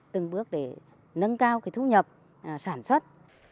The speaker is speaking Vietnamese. từng bước để nâng cao thu nhập sản xuất